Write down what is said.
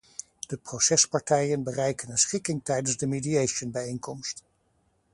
De procespartijen bereiken een schikking tijdens de mediationbijeenkomst.